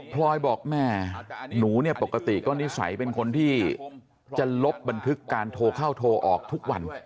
พลอยบอกแม่หนูเนี่ยปกติก็นิสัยเป็นคนที่จะลบบันทึกการโทรเข้าโทรออกทุกวัน